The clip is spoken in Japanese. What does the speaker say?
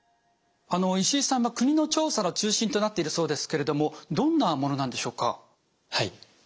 石井さんは国の調査の中心となっているそうですけれどもどんなものなんでしょうか？